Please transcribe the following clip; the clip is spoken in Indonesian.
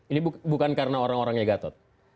ini bukan karena orang orangnya gatot